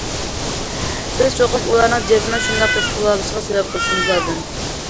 بىز چوقۇم ئۇلارنىڭ جەزمەن شۇنداق ھېس قىلالىشىغا سەۋەب قىلىشىمىز لازىم.